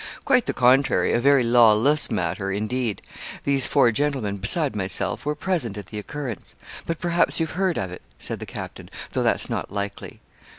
'Quite the contrary a very lawless matter, indeed. These four gentlemen, beside myself, were present at the occurrence. But perhaps you've heard of it?' said the captain, 'though that's not likely.'